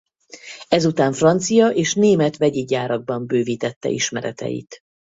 Ezután francia és német vegyi gyárakban bővítette ismereteit.